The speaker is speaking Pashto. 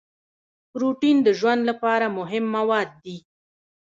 پروټین د ژوند لپاره مهم مواد دي